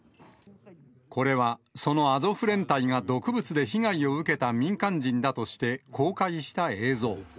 これは、そのアゾフ連隊が毒物で被害を受けた民間人だとして公開した映像。